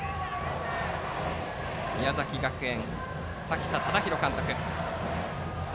宮崎学園、崎田忠寛監督。